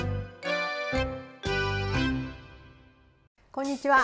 こんにちは。